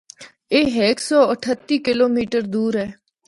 اے ہک سو اٹھتی کلومیڑ دور اے۔